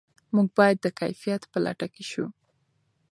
موږ باید د کیفیت په لټه کې شو.